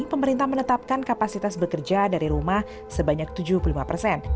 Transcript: pemerintah menetapkan kapasitas bekerja dari rumah sebanyak tujuh puluh lima persen